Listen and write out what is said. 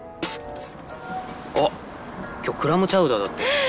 あっ今日クラムチャウダーだって。